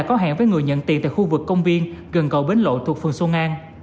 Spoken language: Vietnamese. một người nhận tiền tại khu vực công viên gần cầu bến lội thuộc phường xuân an